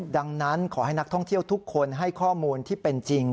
ดังนั้นขอให้นักท่องเที่ยวทุกคนให้ข้อมูลที่เป็นจริง